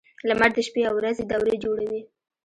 • لمر د شپې او ورځې دورې جوړوي.